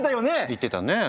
言ってたね。